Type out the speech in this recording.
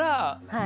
はい。